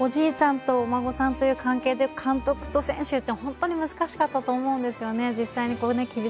あの本当におじいちゃんと孫さんという関係で監督と選手って本当に難しかったと思うんですよね